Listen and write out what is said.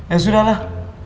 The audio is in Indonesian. ya sudah lah